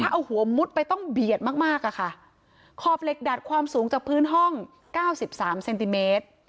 เอาหัวมุดไปต้องเบียดมากมากอะค่ะขอบเหล็กดัดความสูงจากพื้นห้องเก้าสิบสามเซนติเมตร